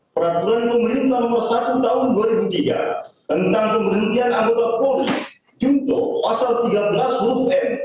peraturan pemerintah nomor satu tahun dua ribu tiga tentang pemberhentian anggota polri junto pasal tiga belas huruf n